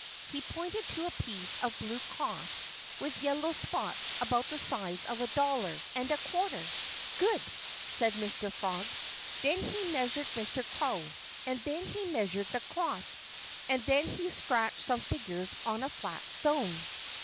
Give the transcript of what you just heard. He pointed to a piece of blue cloth with yellow spots about the size of a dollar and a quarter. "Good!" said Mr. Frog. Then he measured Mr. Crow. And then he measured the cloth. And then he scratched some figures on a flat stone.